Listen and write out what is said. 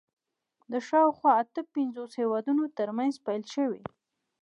د شاوخوا اته پنځوس هېوادونو تر منځ پیل شوي